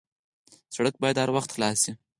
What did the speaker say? سړک باید هر وخت خلاص وي.